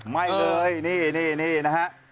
ไม่เลยนี่นะฮะ